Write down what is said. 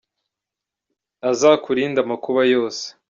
Azakurinde amakuba yose.